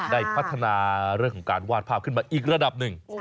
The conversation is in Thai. ได้พัฒนาเรื่องของการวาดภาพขึ้นมาอีกระดับหนึ่ง